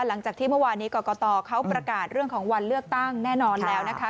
หลังจากที่เมื่อวานนี้กรกตเขาประกาศเรื่องของวันเลือกตั้งแน่นอนแล้วนะคะ